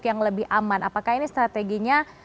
yang lebih aman apakah ini strateginya